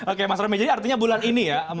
oke mas romy jadi artinya bulan ini ya